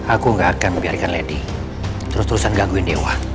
aku gak akan membiarkan lady terus terusan gangguin dewa